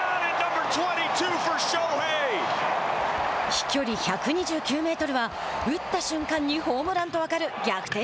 飛距離１２９メートルは打った瞬間にホームランと分かる逆転